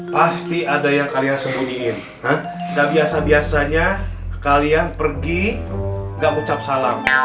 pasti ada yang kalian sembunyiin nah tak biasa biasanya kalian pergi enggak ucap salam